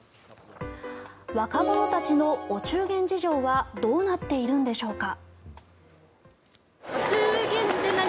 若者たちのお中元事情はどうなっているんでしょうか。